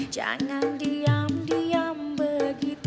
jangan diam diam begitu